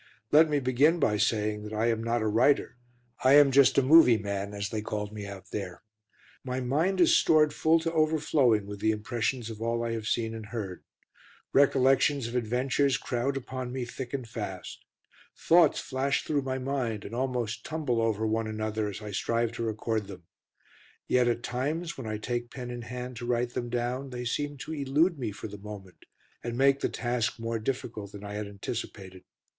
Let me begin by saying that I am not a writer, I am just a "movie man," as they called me out there. My mind is stored full to overflowing with the impressions of all I have seen and heard; recollections of adventures crowd upon me thick and fast. Thoughts flash through my mind, and almost tumble over one another as I strive to record them. Yet at times, when I take pen in hand to write them down, they seem to elude me for the moment, and make the task more difficult than I had anticipated.